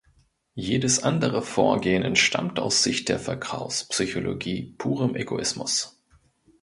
Jedes andere Vorgehen entstammt aus Sicht der Verkaufspsychologie purem Egoismus.